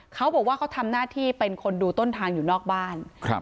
เขาบอกว่าเขาทำหน้าที่เป็นคนดูต้นทางอยู่นอกบ้าน